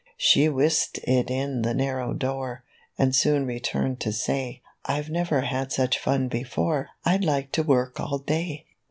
She whisked it in the narrow door, And soon returned to say, r "I never had such fun before; I'd like to work all day!"